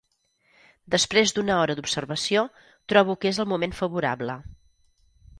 Després d'una hora d'observació, trobo que és el moment favorable.